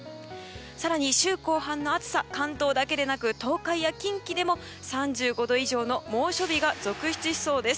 更に週後半の暑さ関東だけでなく東海や近畿でも３５度以上の猛暑日が続出しそうです。